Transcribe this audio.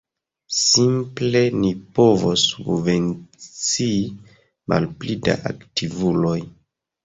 Simple ni povos subvencii malpli da aktivuloj.